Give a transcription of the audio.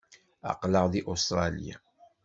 Aql-aɣ deg Ustṛalya.